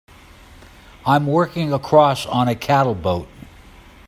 I'm working across on a cattle boat.